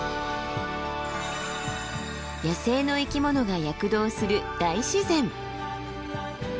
野生の生き物が躍動する大自然。